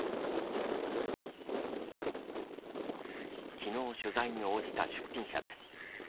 きのう取材に応じた出品者です。